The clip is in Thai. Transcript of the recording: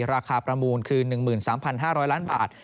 ราคาประมูลคือ๑๓๕๐๐ล้านบาท